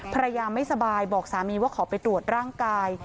ภรรยาไม่สบายบอกสามีว่าขอไปตรวจร่างกาย